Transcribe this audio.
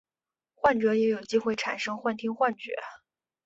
患者也有机会产生幻听幻觉。